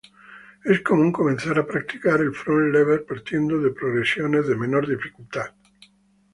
Es común comenzar a practicar el front lever partiendo de progresiones de menor dificultad.